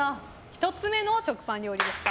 １つ目の食パン料理でした。